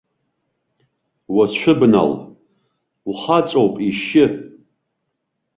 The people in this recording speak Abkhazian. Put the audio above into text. Уацәыбнал, ухаҵоуп ишьы!